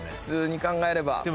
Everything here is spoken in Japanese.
普通に考えれば。